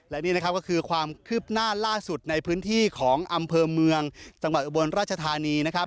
และนี่นะครับก็คือความคืบหน้าล่าสุดในพื้นที่ของอำเภอเมืองจังหวัดอุบลราชธานีนะครับ